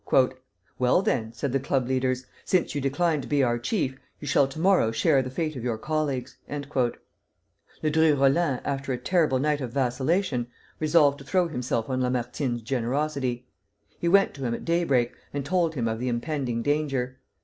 "Well, then," said the club leaders, "since you decline to be our chief, you shall to morrow share the fate of your colleagues." Ledru Rollin, after a terrible night of vacillation, resolved to throw himself on Lamartine's generosity. He went to him at daybreak and told him of the impending danger.